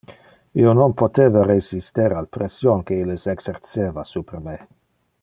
Io non poteva resister al pression que illes exerceva super me.